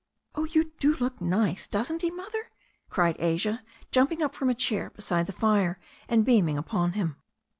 "Oh, you do look nice; doesn't he, Mother?" cried Asia, jumping up from a chair beside the fire and beaming upon him.